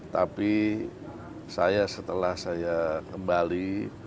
tapi saya setelah saya kembali